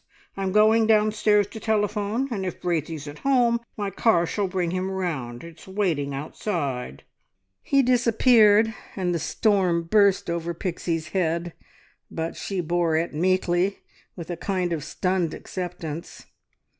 I'm going downstairs to telephone, and if Braithey's at home my car shall bring him round. It's waiting outside." He disappeared, and the storm burst over Pixie's head, but she bore it meekly, with a kind of stunned acceptance.